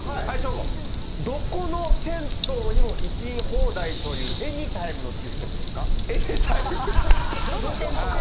どこの銭湯にも行き放題というエニタイムのシステムですか？